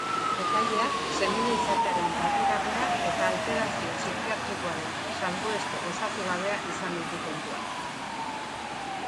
Epaileak senide izatearen larrigarria eta alterazio psikiatrikoaren salbueste osatugabea izan ditu kontuan.